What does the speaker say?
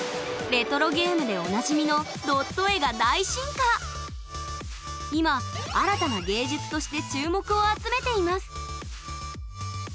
レトロゲームでおなじみの今新たな芸術として注目を集めています！